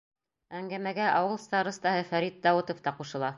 Әңгәмәгә ауыл старостаһы Фәрит Дауытов та ҡушыла: